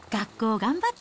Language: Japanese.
頑張って。